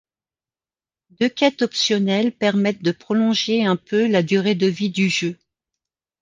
Deux quêtes optionnelles permettent de prolonger un peu la durée de vie du jeu.